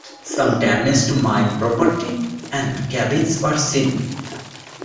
Some damage to mine property and cabins were seen.